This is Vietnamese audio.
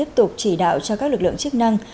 và các lực lượng chức năng